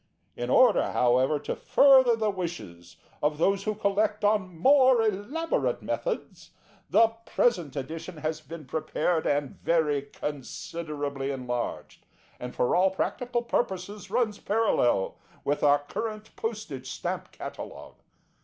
In order, however, to further the wishes of those who collect on more elaborate methods, the present edition has been prepared and very considerably enlarged, and for all practical purposes runs parallel with our current Postage Stamp Catalogue.